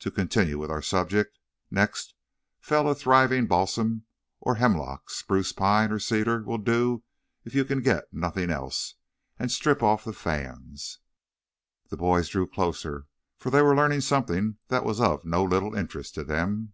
"To continue with our subject, next fell a thriving balsam or hemlock spruce, pine or cedar will do if you can get nothing else and strip off the fans." The boys drew closer, for they were learning something that was of no little interest to them.